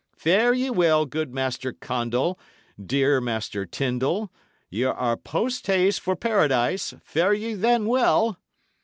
Fare ye well, good Master Condall, dear Master Tyndal; y' are post haste for Paradise; fare ye then well!"